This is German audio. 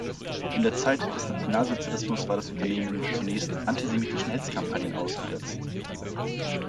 In der Zeit des Nationalsozialismus war das Unternehmen zunächst antisemitischen Hetzkampagnen ausgesetzt.